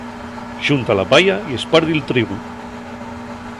Xunta la paya y espardi'l trigu.